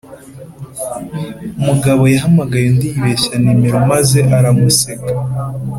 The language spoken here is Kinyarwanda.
umugabo yahamagaye undi yibeshye numero maze aramuseka